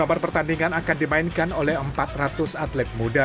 tiga bar pertandingan akan dimainkan oleh empat ratus atlet muda